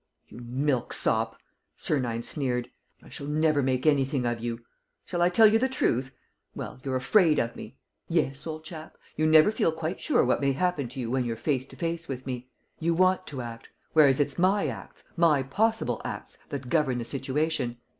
"You milksop!" Sernine sneered. "I shall never make anything of you. Shall I tell you the truth? Well, you're afraid of me. Yes, old chap, you never feel quite sure what may happen to you when you're face to face with me. You want to act, whereas it's my acts, my possible acts that govern the situation.